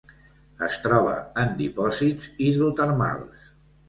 Es troba en dipòsits hidrotermals.